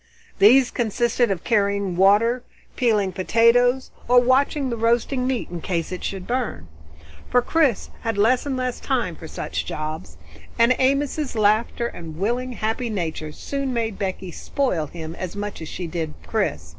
These consisted of carrying water, peeling potatoes, or watching the roasting meat in case it should burn. For Chris had less and less time for such jobs, and Amos's laughter and willing happy nature soon made Becky spoil him as much as she did Chris.